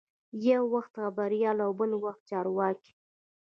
یو وخت خبریال او بل وخت چارواکی.